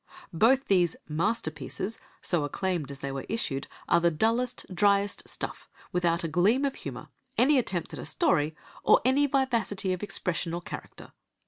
Both these "masterpieces," so acclaimed as they were issued, are the dullest, driest stuff, without a gleam of humour, any attempt at a story, or any vivacity of expression or character.